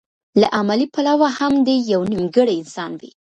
له عملي پلوه هم دی يو نيمګړی انسان وي.